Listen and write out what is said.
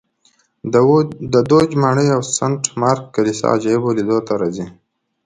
د دوج ماڼۍ او سنټ مارک کلیسا عجایبو لیدو ته راځي